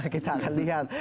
kita akan lihat